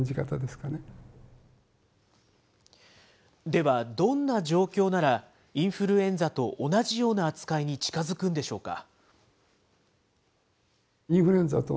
では、どんな状況なら、インフルエンザと同じような扱いに近づくんでしょうか。